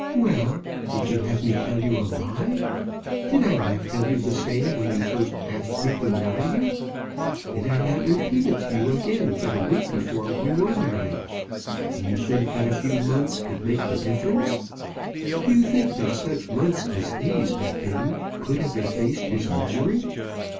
"Well; would you have me tell you a lie? Did I not tell you the same when you first asked me to marry you? Did I not repeat it to you again but a week before we were married? Do you think that a few months could make the difference? Do you think that such months as these have been could have effaced his memory?"